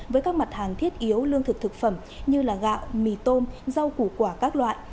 với các mặt hàng thiết yếu lương thực thực phẩm như gạo mì tôm rau củ quả các loại